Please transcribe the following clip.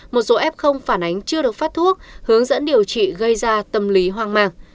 một số f phản ánh chưa được phát thuốc hướng dẫn điều trị gây ra tâm lý hoang mang